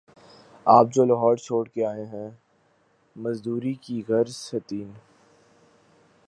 اب جو لاہور چھوڑ کے آئے ہیں، مزدوری کی غرض سے تین